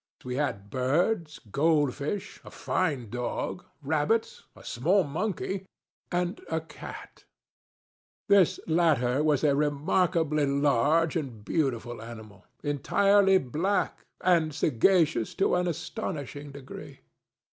We had birds, gold fish, a fine dog, rabbits, a small monkey, and a cat. This latter was a remarkably large and beautiful animal, entirely black, and sagacious to an astonishing degree.